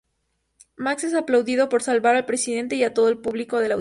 Max es aplaudido por salvar al Presidente y a todo el público del auditorio.